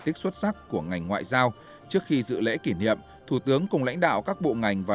tích xuất sắc của ngành ngoại giao trước khi dự lễ kỷ niệm thủ tướng cùng lãnh đạo các bộ ngành và